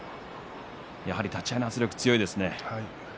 やはり、立ち合いの圧力強いですね。